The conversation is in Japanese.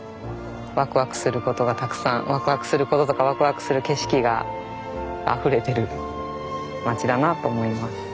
ワクワクすることがたくさんワクワクすることとかワクワクする景色があふれてる町だなと思います。